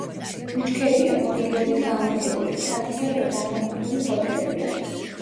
ბუჩქებია, მორიგეობით განლაგებული, თათისებრ დანაკვთული ფოთლები აქვთ.